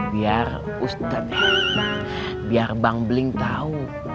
biar ustadz biar bang beling tahu